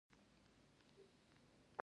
ولایتي شورا له مرکزي شورا سره ارتباط ولري.